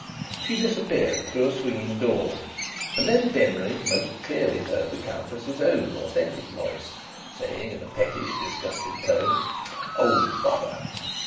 She disappeared through a swinging door; and then Denry most clearly heard the Countess's own authentic voice saying in a pettish, disgusted tone: "Oh! Bother!"